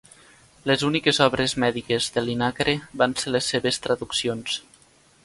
Les úniques obres mèdiques de Linacre van ser les seves traduccions.